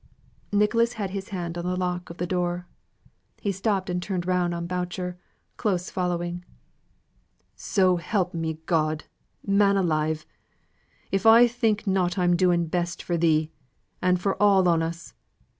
Nicholas had his hand on the lock of the door he stopped and turned round on Boucher, close following: "So help me God! man alive if I think not I'm doing best for thee, and for all on us.